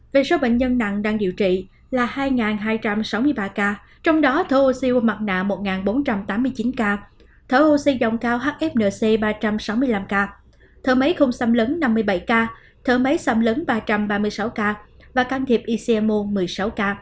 về số bệnh nhân nặng đang điều trị là hai hai trăm sáu mươi ba ca trong đó thở oxy qua mặt nạ một bốn trăm tám mươi chín ca thở oxy dòng cao hfnc ba trăm sáu mươi năm ca thở máy không xâm lấn năm mươi bảy ca thở máy xâm lấn ba trăm ba mươi sáu ca và can thiệp ics